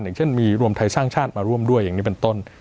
อย่างเช่นมีรวมไทยสร้างชาติมาร่วมด้วยอย่างนี้เป็นต้น